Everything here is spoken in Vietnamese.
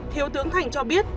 thiếu tướng thành cho biết